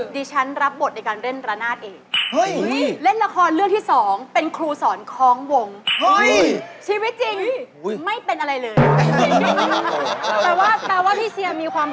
ตีฉิงครับผม